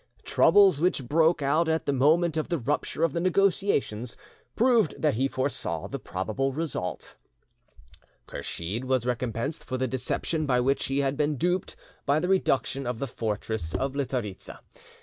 Troubles which broke, out at the moment of the rupture of the negotiations proved that he foresaw the probable result. Kursheed was recompensed for the deception by which he had been duped by the reduction of the fortress of Litharitza.